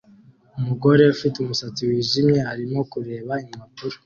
Umugore ufite umusatsi wijimye arimo kureba impapuro